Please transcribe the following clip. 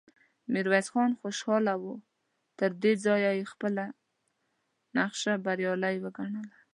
ميرويس خان خوشاله و، تر دې ځايه يې خپله نخشه بريالی ګڼله،